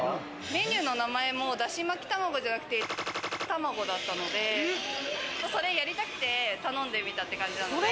メニューの名前も、出汁巻き卵じゃなくて、卵だったので、それやりたくて頼んでみたって感じなので。